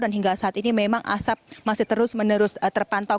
dan hingga saat ini memang asap masih terus menerus terpantau